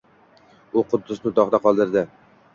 U Quddusni dog‘da qoldiradi.